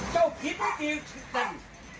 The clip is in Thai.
เจ้ากินที่อยู่นี่ฟัน